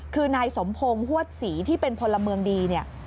คือนายสมพงศ์ฮวดศรีที่เป็นพลเมืองดีเนี่ย